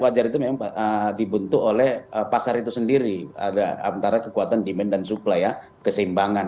wajar itu memang dibentuk oleh pasar itu sendiri ada antara kekuatan demand dan supply ya keseimbangan